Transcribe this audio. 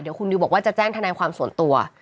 เดี๋ยวคุณนิวบอกว่าจะแจ้งทนายความส่วนตัว